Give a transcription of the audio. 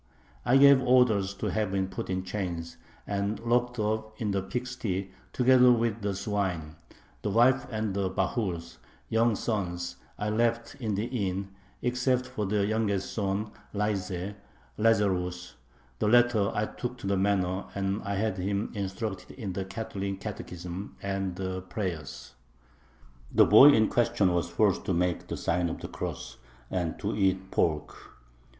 I gave orders to have him put in chains and locked up in the pig sty together with the swine; the wife and the bahurs [young sons] I left in the inn, except for the youngest son Layze [Lazarus]. The latter I took to the manor, and I had him instructed in the [Catholic] catechism and the prayers. The boy in question was forced to make the sign of the cross and to eat pork.